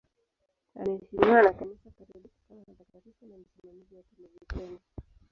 Anaheshimiwa na Kanisa Katoliki kama mtakatifu na msimamizi wa televisheni.